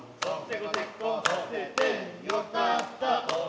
よかったな。